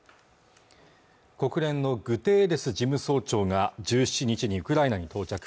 国連のグテーレス事務総長が１７日にウクライナに到着